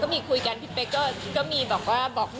ในกลุ่มครอบครัวก็มีคุยกัน